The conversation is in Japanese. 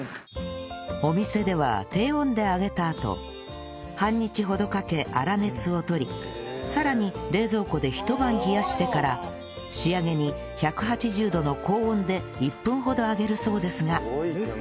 お店では低温で揚げたあと半日ほどかけ粗熱をとりさらに冷蔵庫で一晩冷やしてから仕上げに１８０度の高温で１分ほど揚げるそうですが